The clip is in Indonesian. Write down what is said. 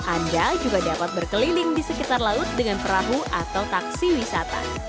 anda juga dapat berkeliling di sekitar laut dengan perahu atau taksi wisata